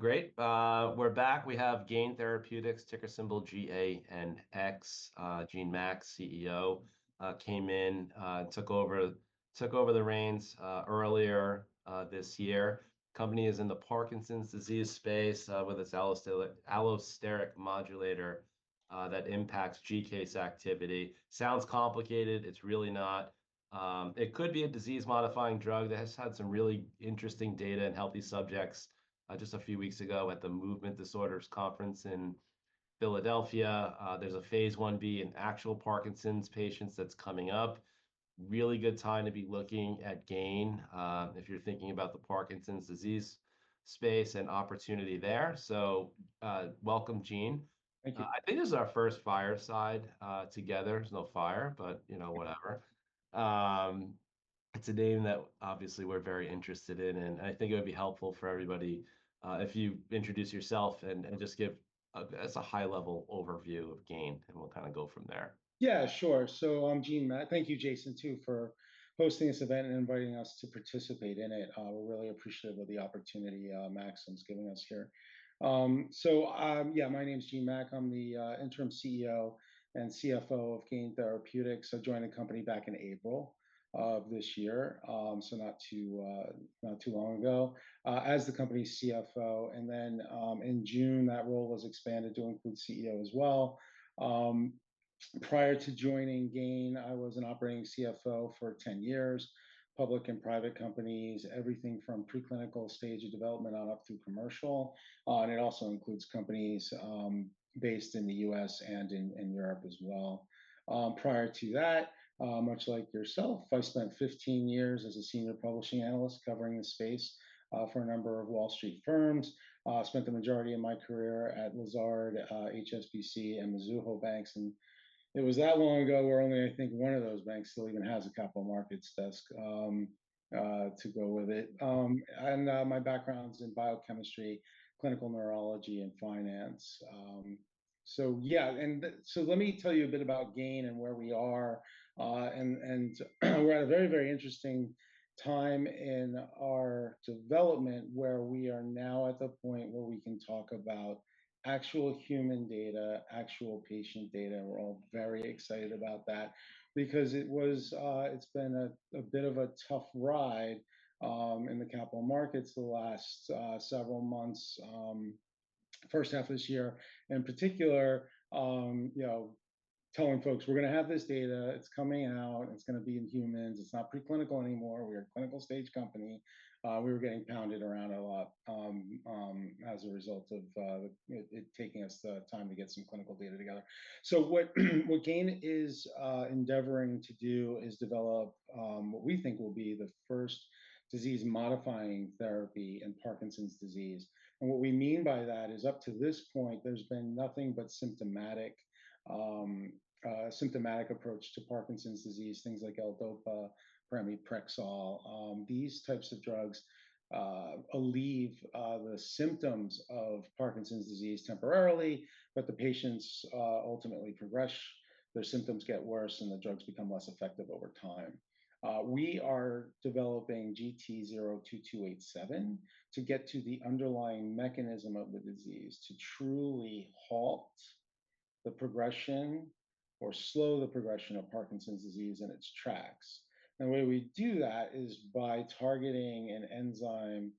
Okay, great. We're back. We have Gain Therapeutics, ticker symbol G-A-N-X, Gene Mack, CEO, came in, took over, took over the reins, earlier, this year. Company is in the Parkinson's disease space, with its allosteric, allosteric modulator, that impacts GCase activity. Sounds complicated, it's really not. It could be a disease-modifying drug that has had some really interesting data in healthy subjects, just a few weeks ago at the Movement Disorders conference in Philadelphia. There's a Phase 1b in actual Parkinson's patients that's coming up. Really good time to be looking at Gain, if you're thinking about the Parkinson's disease space and opportunity there, so welcome, Gene. Thank you. I think this is our first fireside together. There's no fire, but, you know, whatever. It's a name that obviously we're very interested in, and I think it would be helpful for everybody if you introduce yourself and just give, as a high-level overview of Gain, and we'll kind of go from there. Yeah, sure. So I'm Gene Mack. Thank you, Jason, too, for hosting this event and inviting us to participate in it. We're really appreciative of the opportunity Maxim's giving us here. Yeah, my name's Gene Mack. I'm the Interim CEO and CFO of Gain Therapeutics. I joined the company back in April of this year, so not too long ago as the company's CFO. And then, in June, that role was expanded to include CEO as well. Prior to joining Gain, I was an operating CFO for ten years, public and private companies, everything from preclinical stage of development on up through commercial. And it also includes companies based in the U.S. and in Europe as well. Prior to that, much like yourself, I spent fifteen years as a senior publishing analyst covering the space for a number of Wall Street firms. Spent the majority of my career at Lazard, HSBC, and Mizuho Bank, and it was that long ago where only I think one of those banks still even has a capital markets desk to go with it, and my backgrounds in biochemistry, clinical neurology, and finance. So yeah, so let me tell you a bit about Gain and where we are, and we're at a very, very interesting time in our development, where we are now at the point where we can talk about actual human data, actual patient data, and we're all very excited about that because it was... It's been a bit of a tough ride in the capital markets the last several months, first half of this year. In particular, you know, telling folks, "We're gonna have this data, it's coming out, it's gonna be in humans, it's not preclinical anymore. We're a clinical stage company." We were getting pounded around a lot as a result of it taking us the time to get some clinical data together, so what Gain is endeavoring to do is develop what we think will be the first disease-modifying therapy in Parkinson's disease, and what we mean by that is, up to this point, there's been nothing but symptomatic approach to Parkinson's disease, things like L-DOPA, pramipexole. These types of drugs relieve the symptoms of Parkinson's disease temporarily, but the patients ultimately progress, their symptoms get worse, and the drugs become less effective over time. We are developing GT-02287 to get to the underlying mechanism of the disease, to truly halt the progression or slow the progression of Parkinson's disease in its tracks. The way we do that is by targeting an enzyme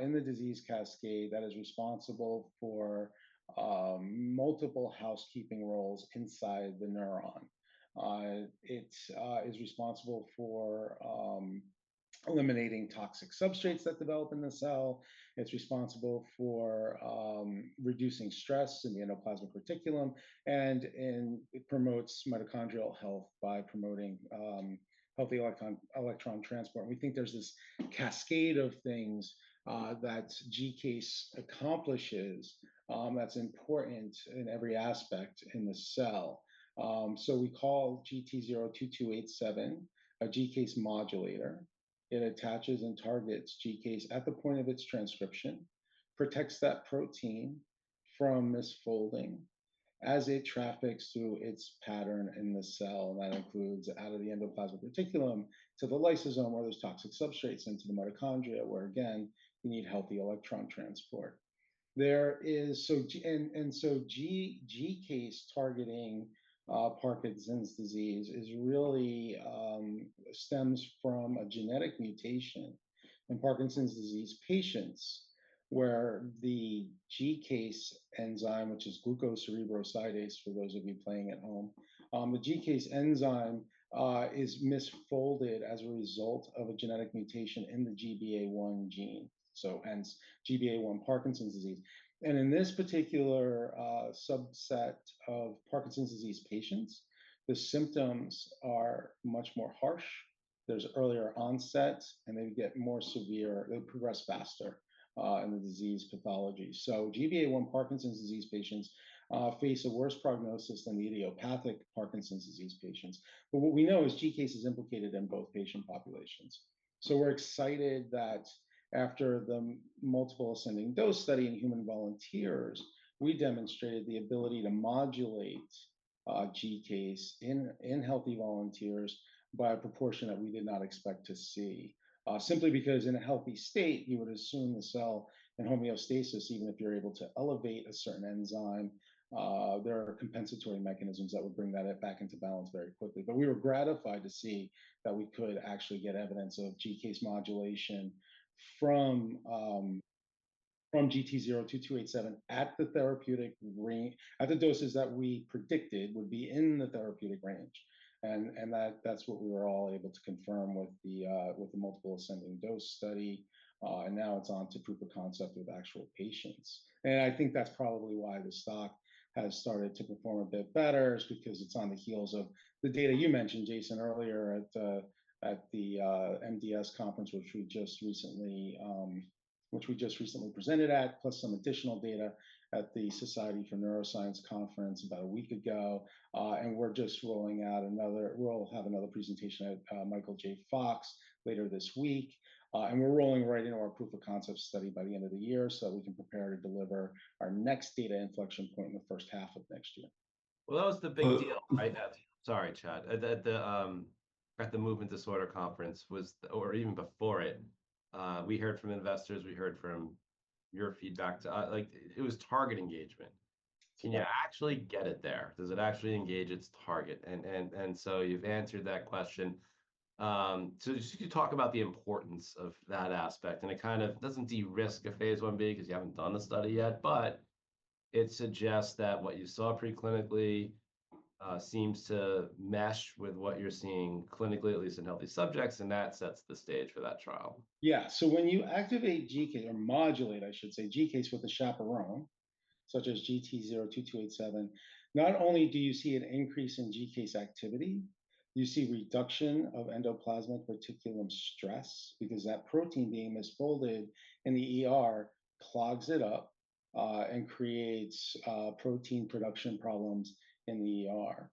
in the disease cascade that is responsible for multiple housekeeping roles inside the neuron. It is responsible for eliminating toxic substrates that develop in the cell, it's responsible for reducing stress in the endoplasmic reticulum, and it promotes mitochondrial health by promoting healthy electron transport. We think there's this cascade of things that GCase accomplishes that's important in every aspect in the cell. So we call GT-02287 a GCase modulator. It attaches and targets GCase at the point of its transcription, protects that protein from misfolding as it traffics through its pattern in the cell, and that includes out of the endoplasmic reticulum to the lysosome, where there's toxic substrates into the mitochondria, where, again, we need healthy electron transport. So GCase targeting Parkinson's disease really stems from a genetic mutation in Parkinson's disease patients, where the GCase enzyme, which is glucocerebrosidase, for those of you playing at home. The GCase enzyme is misfolded as a result of a genetic mutation in the GBA1 gene, so hence GBA1 Parkinson's disease. And in this particular subset of Parkinson's disease patients, the symptoms are much more harsh. There's earlier onset, and they get more severe. They progress faster in the disease pathology. So GBA1 Parkinson's disease patients face a worse prognosis than the idiopathic Parkinson's disease patients. But what we know is GCase is implicated in both patient populations. So we're excited that after the multiple ascending dose study in human volunteers, we demonstrated the ability to modulate GCase in healthy volunteers by a proportion that we did not expect to see. Simply because in a healthy state, you would assume the cell in homeostasis, even if you're able to elevate a certain enzyme, there are compensatory mechanisms that would bring that back into balance very quickly. But we were gratified to see that we could actually get evidence of GCase modulation from GT-02287 at the therapeutic range, at the doses that we predicted would be in the therapeutic range. And that's what we were all able to confirm with the multiple ascending dose study. And now it's on to proof of concept with actual patients. And I think that's probably why the stock has started to perform a bit better, is because it's on the heels of the data you mentioned, Jason, earlier at the MDS conference, which we just recently presented at, plus some additional data at the Society for Neuroscience conference about a week ago. And we're just rolling out another. We'll have another presentation at Michael J. Fox later this week. And we're rolling right into our proof-of-concept study by the end of the year, so that we can prepare to deliver our next data inflection point in the first half of next year. That was the big deal right now. Sorry, Chad. At the Movement Disorders conference, or even before it, we heard from investors, we heard from your feedback too, like it was targeting engagement. Yeah. Can you actually get it there? Does it actually engage its target? And so you've answered that question. So just could you talk about the importance of that aspect, and it kind of doesn't de-risk a Phase 1b because you haven't done the study yet, but it suggests that what you saw preclinically seems to mesh with what you're seeing clinically, at least in healthy subjects, and that sets the stage for that trial. Yeah. So when you activate GCase or modulate, I should say, GCase with a chaperone, such as GT-02287, not only do you see an increase in GCase activity, you see reduction of endoplasmic reticulum stress, because that protein being misfolded in the ER clogs it up and creates protein production problems in the ER.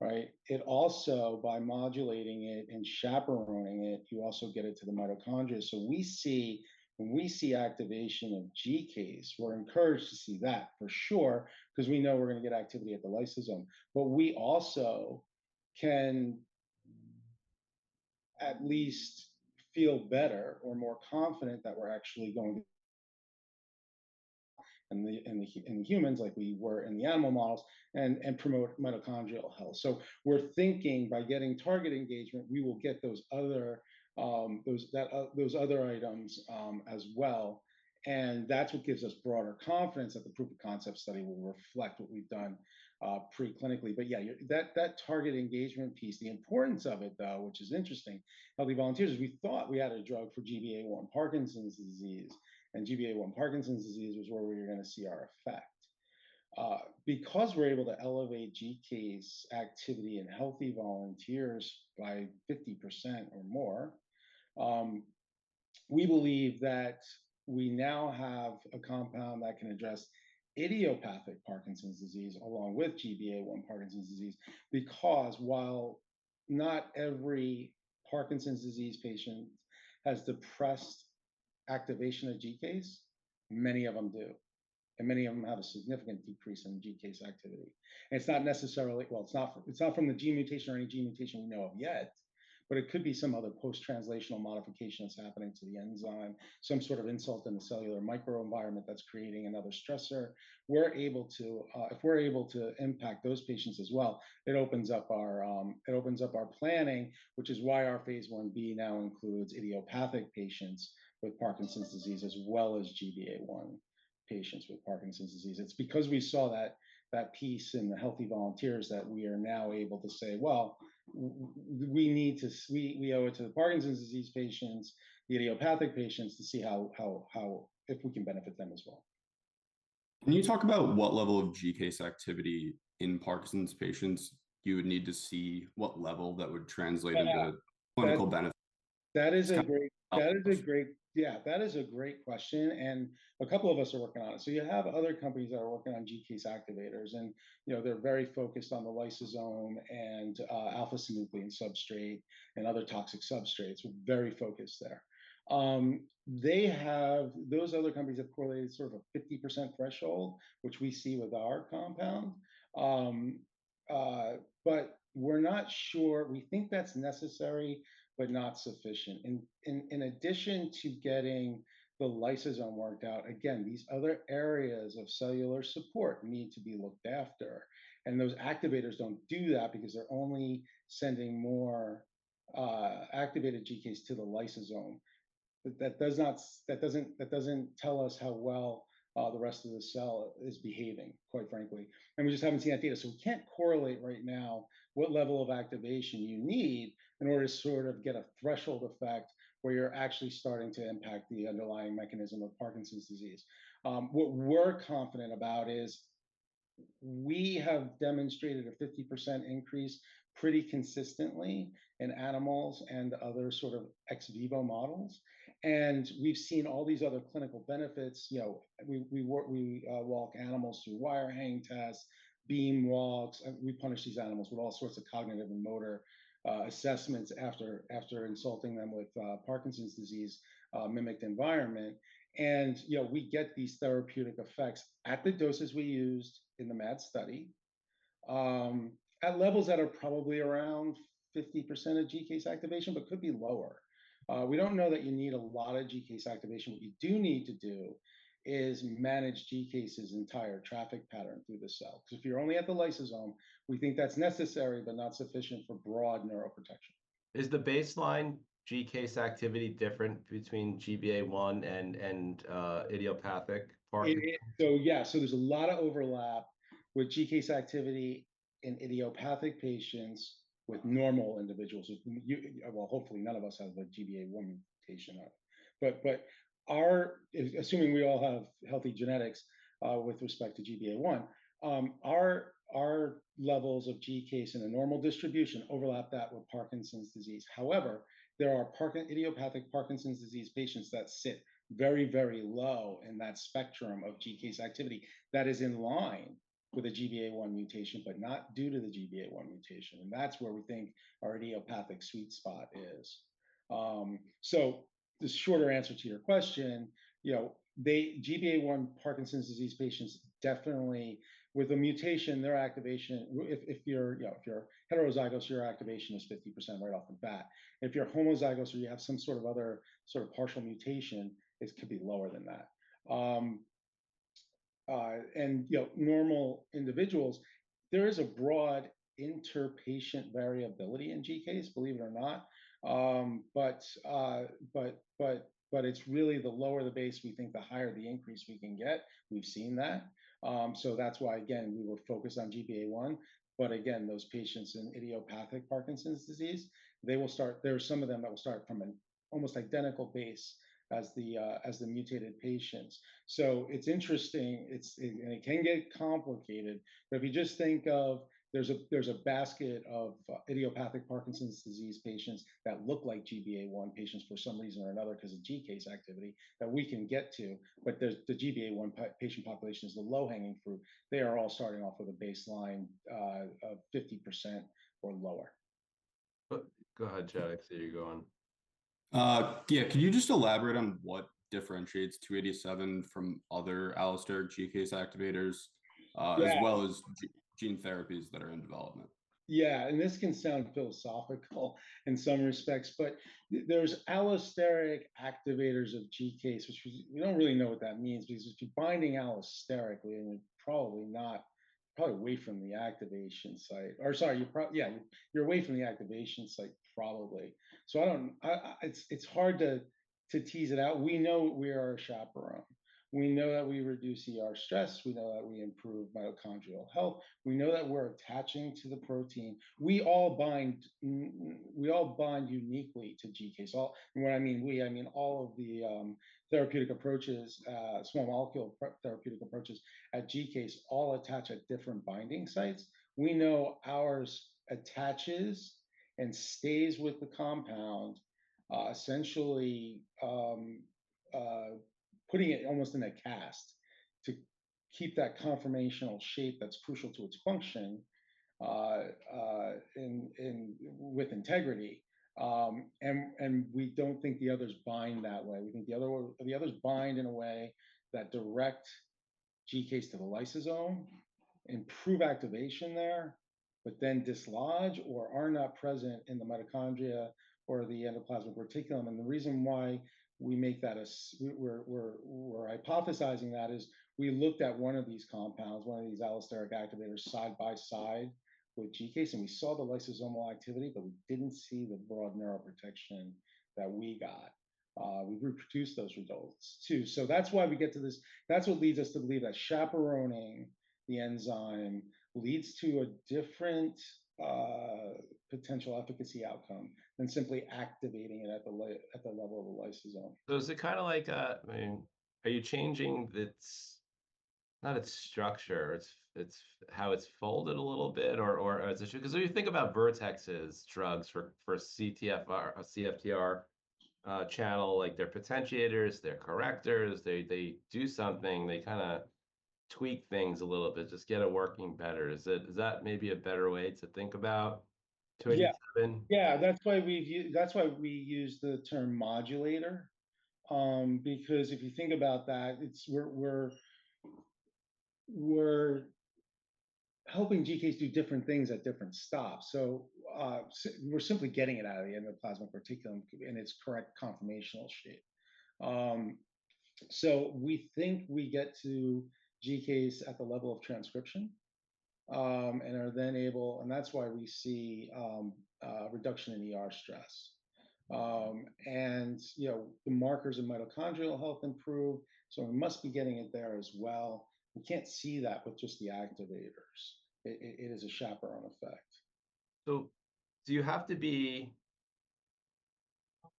Right? It also, by modulating it and chaperoning it, you also get it to the mitochondria. So when we see activation of GCase, we're encouraged to see that for sure, 'cause we know we're going to get activity at the lysosome. But we also can at least feel better or more confident that we're actually going in humans like we were in the animal models, and promote mitochondrial health. So we're thinking by getting target engagement, we will get those other items as well. And that's what gives us broader confidence that the proof of concept study will reflect what we've done preclinically. But yeah, that target engagement piece, the importance of it though, which is interesting. Healthy volunteers, we thought we had a drug for GBA1 Parkinson's disease, and GBA1 Parkinson's disease was where we were going to see our effect. Because we're able to elevate GCase activity in healthy volunteers by 50% or more, we believe that we now have a compound that can address idiopathic Parkinson's disease along with GBA1 Parkinson's disease, because while not every Parkinson's disease patient has depressed activation of GCase, many of them do, and many of them have a significant decrease in GCase activity. It's not necessarily from the gene mutation or any gene mutation we know of yet, but it could be some other post-translational modification that's happening to the enzyme, some sort of insult in the cellular microenvironment that's creating another stressor. If we're able to impact those patients as well, it opens up our planning, which is why our Phase 1b now includes idiopathic patients with Parkinson's disease as well as GBA1 patients with Parkinson's disease. It's because we saw that piece in the healthy volunteers that we are now able to say, "Well, we need to see. We owe it to the Parkinson's disease patients, the idiopathic patients, to see how if we can benefit them as well. Can you talk about what level of GCase activity in Parkinson's patients you would need to see? What level that would translate into? Yeah... clinical benefit? That is a great question, and a couple of us are working on it. So you have other companies that are working on GCase activators and, you know, they're very focused on the lysosome and alpha-synuclein substrate and other toxic substrates. Very focused there. Those other companies have correlated sort of a 50% threshold, which we see with our compound. But we're not sure. We think that's necessary, but not sufficient. In addition to getting the lysosome worked out, again, these other areas of cellular support need to be looked after. And those activators don't do that because they're only sending more activated GCase to the lysosome. But that doesn't tell us how well the rest of the cell is behaving, quite frankly. And we just haven't seen that data, so we can't correlate right now what level of activation you need in order to sort of get a threshold effect, where you're actually starting to impact the underlying mechanism of Parkinson's disease. What we're confident about is, we have demonstrated a 50% increase pretty consistently in animals and other sort of ex vivo models. And we've seen all these other clinical benefits. You know, we walk animals through wire hanging tests, beam walks, and we punish these animals with all sorts of cognitive and motor assessments after insulting them with a Parkinson's disease mimicked environment. And, you know, we get these therapeutic effects at the doses we used in the MAD study at levels that are probably around 50% of GCase activation, but could be lower. We don't know that you need a lot of GCase activation. What we do need to do is manage GCase's entire traffic pattern through the cell. Because if you're only at the lysosome, we think that's necessary, but not sufficient for broad neuroprotection. Is the baseline GCase activity different between GBA1 and idiopathic Parkinson's? Yeah. There's a lot of overlap with GCase activity in idiopathic patients with normal individuals, with you. Well, hopefully none of us have what GBA1 patients are. But our, assuming we all have healthy genetics with respect to GBA1, our levels of GCase in a normal distribution overlap that with Parkinson's disease. However, there are idiopathic Parkinson's disease patients that sit very, very low in that spectrum of GCase activity that is in line with a GBA1 mutation, but not due to the GBA1 mutation, and that's where we think our idiopathic sweet spot is. So the shorter answer to your question, you know, they, GBA1 Parkinson's disease patients, definitely with a mutation, their activation, if you're, you know, if you're heterozygous, your activation is 50% right off the bat. If you're homozygous or you have some sort of other sort of partial mutation, it could be lower than that. You know, normal individuals, there is a broad inter-patient variability in GCase, believe it or not. It's really the lower the base, we think the higher the increase we can get. We've seen that, so that's why, again, we were focused on GBA1, but again, those patients in idiopathic Parkinson's disease, they will start. There are some of them that will start from an almost identical base as the, as the mutated patients. So it's interesting, and it can get complicated, but if you just think of there's a basket of idiopathic Parkinson's disease patients that look like GBA1 patients for some reason or another, because of GCase activity that we can get to, but there's the GBA1 patient population is the low-hanging fruit. They are all starting off with a baseline of 50% or lower. But go ahead, Jason. I see you going. Yeah. Can you just elaborate on what differentiates GT-02287 from other allosteric GCase activators? Yes... as well as gene therapies that are in development? Yeah, and this can sound philosophical in some respects, but there's allosteric activators of GCase, which we don't really know what that means, because if you're binding allosterically, and you're probably not, probably away from the activation site. Or sorry, yeah, you're away from the activation site, probably. So, I don't. It's hard to tease it out. We know we are a chaperone. We know that we reduce ER stress, we know that we improve mitochondrial health. We know that we're attaching to the protein. We all bind uniquely to GCase. Well, when I mean we, I mean all of the therapeutic approaches, small molecule therapeutic approaches at GCase all attach at different binding sites. We know ours attaches and stays with the compound, essentially, putting it almost in a cast to keep that conformational shape that's crucial to its function, in with integrity. And we don't think the others bind that way. We think the others bind in a way that direct GCase to the lysosome, improve activation there, but then dislodge or are not present in the mitochondria or the endoplasmic reticulum. And the reason why we make that as we're hypothesizing that is, we looked at one of these compounds, one of these allosteric activators, side by side with GCase, and we saw the lysosomal activity, but we didn't see the broad neuroprotection that we got. We reproduced those results too. So that's why we get to this. That's what leads us to believe that chaperoning the enzyme leads to a different potential efficacy outcome than simply activating it at the level of a lysosome. So is it kind of like, I mean, are you changing its, not its structure, its, its how it's folded a little bit? Or, or as... Because if you think about Vertex's drugs for, for CFTR, CFTR, channel, like their potentiators, their correctors, they, they do something, they kind of tweak things a little bit, just get it working better. Is it, is that maybe a better way to think about 2287? Yeah. Yeah, that's why we use the term modulator. Because if you think about that, it's, we're helping GCase do different things at different stops. So, we're simply getting it out of the endoplasmic reticulum in its correct conformational shape. So we think we get to GCase at the level of transcription, and are then able. And that's why we see a reduction in ER stress. And, you know, the markers of mitochondrial health improve, so we must be getting it there as well. We can't see that with just the activators. It is a chaperone effect.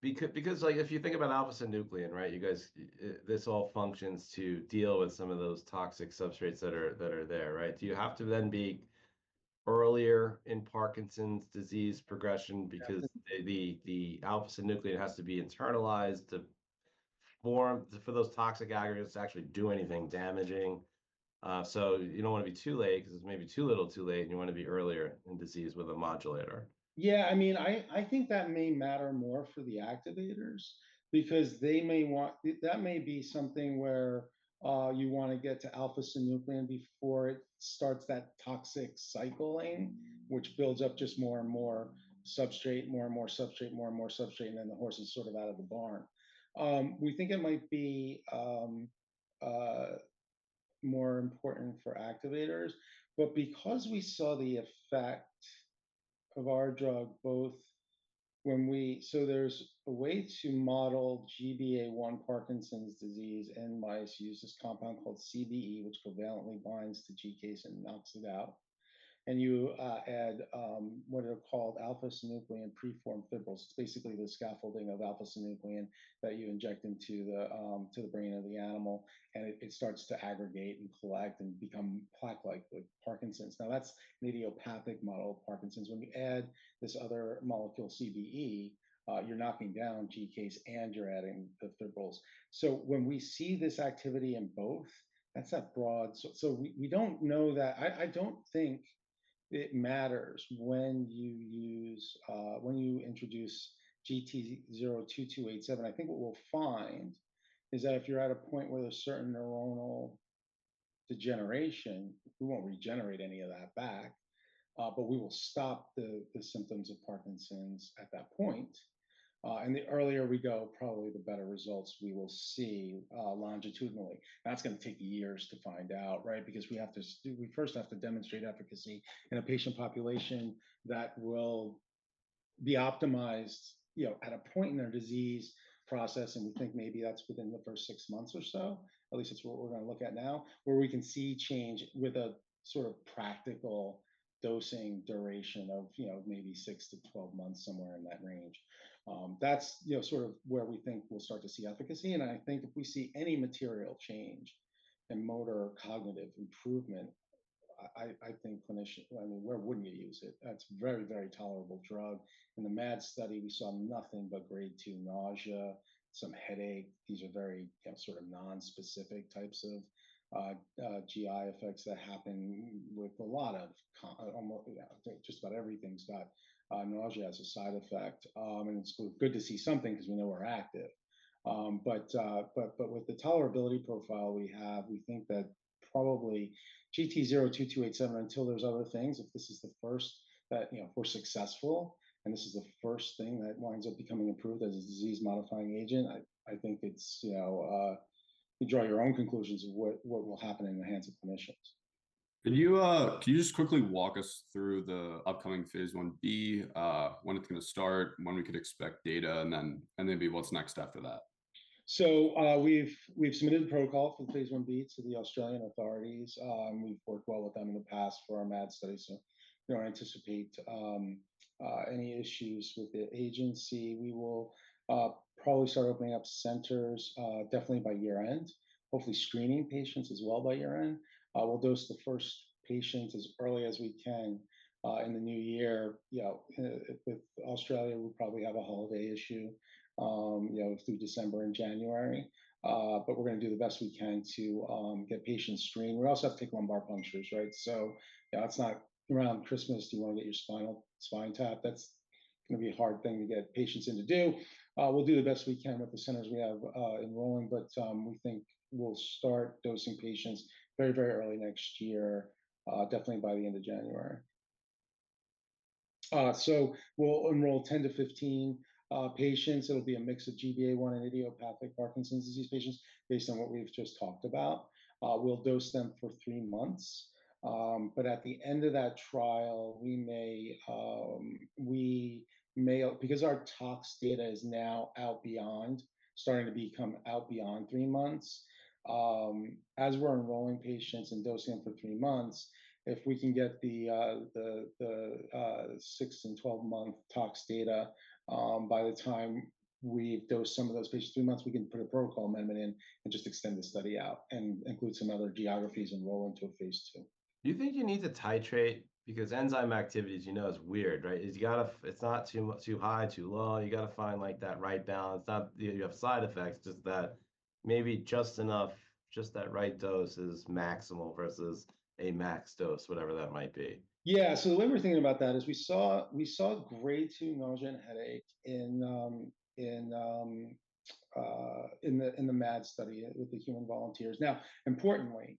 Because, like, if you think about alpha-synuclein, right? You guys, this all functions to deal with some of those toxic substrates that are there, right? Do you have to then be earlier in Parkinson's disease progression because the alpha-synuclein has to be internalized to more for those toxic aggregates to actually do anything damaging. So you don't wanna be too late, because it's maybe too little too late, and you wanna be earlier in disease with a modulator. Yeah, I mean, I think that may matter more for the activators, because they may want, that may be something where you wanna get to alpha-synuclein before it starts that toxic cycling, which builds up just more and more substrate, more and more substrate, more and more substrate, and then the horse is sort of out of the barn. We think it might be more important for activators, but because we saw the effect of our drug both when we. So there's a way to model GBA1 Parkinson's disease in mice. You use this compound called CBE, which covalently binds to GCase and knocks it out. And you add what are called alpha-synuclein preformed fibrils, basically the scaffolding of alpha-synuclein that you inject into the brain of the animal, and it starts to aggregate and collect and become plaque-like with Parkinson's. Now, that's idiopathic model of Parkinson's. When we add this other molecule, CBE, you're knocking down GCase and you're adding the fibrils. So when we see this activity in both, that's a broad. So we don't know that. I don't think it matters when you introduce GT-02287. I think what we'll find is that if you're at a point where there's certain neuronal degeneration, we won't regenerate any of that back, but we will stop the symptoms of Parkinson's at that point. And the earlier we go, probably the better results we will see longitudinally. That's gonna take years to find out, right? Because we have to do-- we first have to demonstrate efficacy in a patient population that will be optimized, you know, at a point in their disease process, and we think maybe that's within the first six months or so. At least that's what we're gonna look at now, where we can see change with a sort of practical dosing duration of, you know, maybe six to 12 months, somewhere in that range. That's, you know, sort of where we think we'll start to see efficacy. And I think if we see any material change in motor or cognitive improvement, I think clinician-- I mean, where wouldn't you use it? That's a very, very tolerable drug. In the MAD study, we saw nothing but Grade 2 nausea, some headache. These are very kind of sort of nonspecific types of GI effects that happen with a lot of. Yeah, I think just about everything's got nausea as a side effect. And it's good to see something because we know we're active. But with the tolerability profile we have, we think that probably GT-02287, until there's other things, if this is the first that, you know, we're successful, and this is the first thing that winds up becoming approved as a disease-modifying agent, I think it's, you know, you draw your own conclusions of what will happen in the hands of clinicians. Can you just quickly walk us through the upcoming Phase 1b, when it's gonna start, when we could expect data, and then, and maybe what's next after that? So, we've submitted the protocol for the Phase 1b to the Australian authorities. We've worked well with them in the past for our MAD study, so we don't anticipate any issues with the agency. We will probably start opening up centers definitely by year-end. Hopefully, screening patients as well by year-end. We'll dose the first patients as early as we can in the new year. You know, with Australia, we'll probably have a holiday issue, you know, through December and January. But we're gonna do the best we can to get patients screened. We also have to take lumbar punctures, right? Yeah, it's not around Christmas, you wanna get your spinal tap. That's gonna be a hard thing to get patients in to do. We'll do the best we can with the centers we have, enrolling, but we think we'll start dosing patients very, very early next year, definitely by the end of January, so we'll enroll 10-15 patients. It'll be a mix of GBA1 and idiopathic Parkinson's disease patients, based on what we've just talked about. We'll dose them for three months. But at the end of that trial, we may, because our tox data is now out beyond, starting to become out beyond three months, as we're enrolling patients and dosing them for three months, if we can get the six and 12-month tox data, by the time we dose some of those patients two months, we can put a protocol amendment in and just extend the study out and include some other geographies and roll into a Phase 2. Do you think you need to titrate? Because enzyme activity, as you know, is weird, right? It's not too high, too low. You gotta find, like, that right balance. Not that you have side effects, just that maybe just enough, just that right dose is maximal versus a max dose, whatever that might be. Yeah, so the way we're thinking about that is we saw Grade 2 nausea and headache in the MAD study with the human volunteers. Now, importantly,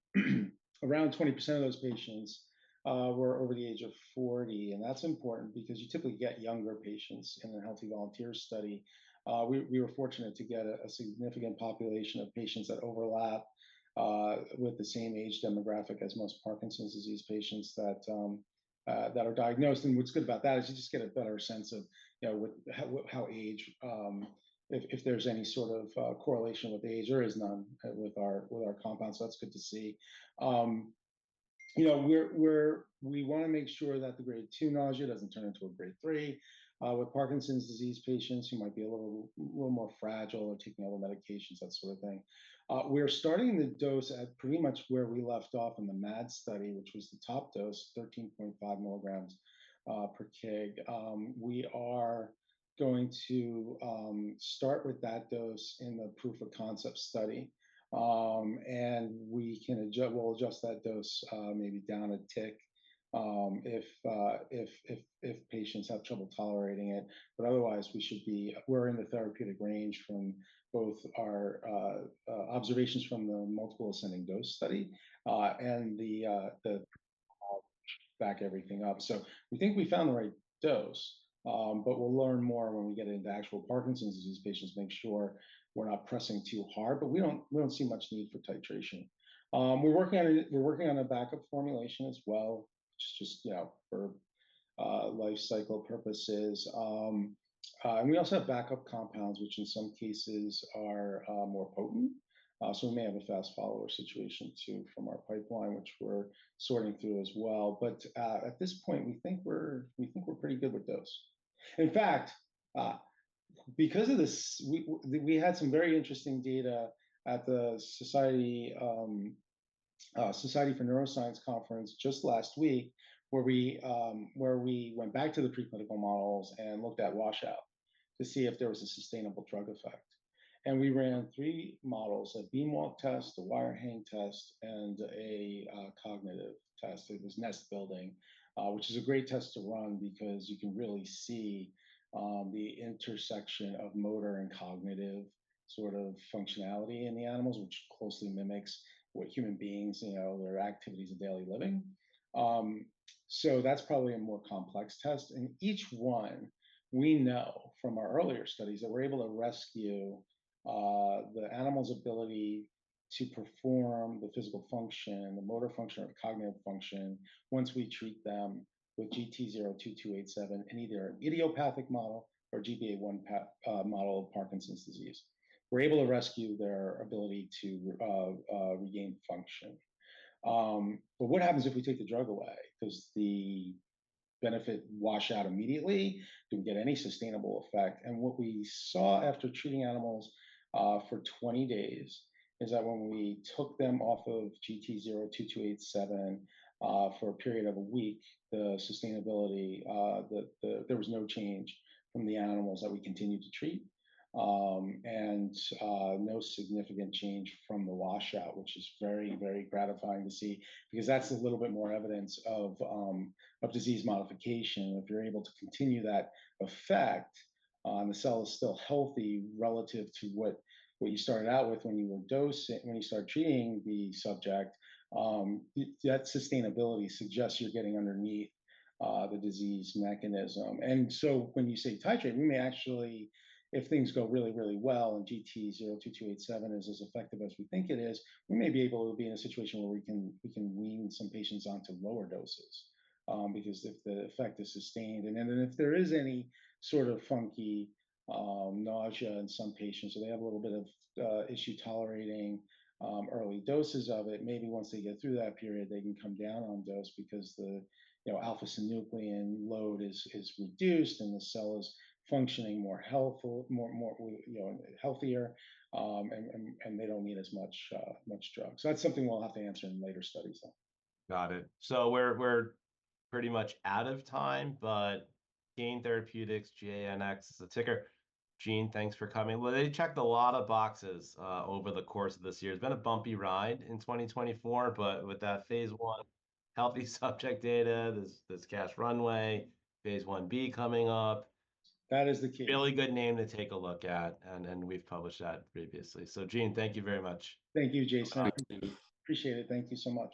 around 20% of those patients were over the age of 40, and that's important because you typically get younger patients in a healthy volunteer study. We were fortunate to get a significant population of patients that overlap with the same age demographic as most Parkinson's disease patients that are diagnosed, and what's good about that is you just get a better sense of, you know, how age, if there's any sort of correlation with age or there's none with our compounds, so that's good to see. You know, we're we wanna make sure that the Grade 2 nausea doesn't turn into a grade 3 with Parkinson's disease patients who might be a little more fragile or taking other medications, that sort of thing. We're starting the dose at pretty much where we left off in the MAD study, which was the top dose, 13.5 milligrams per kg. We are going to start with that dose in the proof of concept study. We can adjust, we'll adjust that dose maybe down a tick if patients have trouble tolerating it. But otherwise, we should be. We're in the therapeutic range from both our observations from the multiple ascending dose study and the back everything up. We think we found the right dose, but we'll learn more when we get into actual Parkinson's disease patients to make sure we're not pressing too hard. But we don't see much need for titration. We're working on a backup formulation as well, just, you know, for life cycle purposes. And we also have backup compounds, which in some cases are more potent. So we may have a fast follower situation too from our pipeline, which we're sorting through as well. But at this point, we think we're pretty good with dose. In fact, because of this, we had some very interesting data at the Society for Neuroscience conference just last week, where we went back to the preclinical models and looked at washout to see if there was a sustainable drug effect. And we ran three models: a beam walk test, a wire hanging test, and a cognitive test. It was nest building, which is a great test to run because you can really see the intersection of motor and cognitive sort of functionality in the animals, which closely mimics what human beings, you know, their activities of daily living. So that's probably a more complex test. And each one we know from our earlier studies, that we're able to rescue the animal's ability to perform the physical function, the motor function, or the cognitive function, once we treat them with GT-02287 in either an idiopathic model or GBA1 model of Parkinson's disease. We're able to rescue their ability to regain function. But what happens if we take the drug away? Does the benefit wash out immediately? Do we get any sustainable effect? And what we saw after treating animals for 20 days, is that when we took them off of GT-02287 for a period of a week, the sustainability, there was no change from the animals that we continued to treat. No significant change from the washout, which is very, very gratifying to see, because that's a little bit more evidence of a disease modification. If you're able to continue that effect on the cell is still healthy relative to what you started out with when you start treating the subject, that sustainability suggests you're getting underneath the disease mechanism. And so when you say titrate, we may actually, if things go really, really well and GT-02287 is as effective as we think it is, we may be able to be in a situation where we can wean some patients onto lower doses. Because if the effect is sustained, and then if there is any sort of funky nausea in some patients, so they have a little bit of issue tolerating early doses of it, maybe once they get through that period, they can come down on dose because the, you know, alpha-synuclein load is reduced, and the cell is functioning more healthful, more healthier. And they don't need as much drug. So that's something we'll have to answer in later studies though. Got it. So we're pretty much out of time, but Gain Therapeutics, GANX is the ticker. Gene, thanks for coming. Well, they checked a lot of boxes over the course of this year. It's been a bumpy ride in 2024, but with that Phase 1 healthy subject data, this cash runway, Phase 1b coming up- That is the key. Really good name to take a look at, and we've published that previously. So, Gene, thank you very much. Thank you, Jason. Thank you. Appreciate it. Thank you so much.